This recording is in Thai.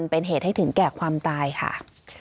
โปรดติดตามต่อไป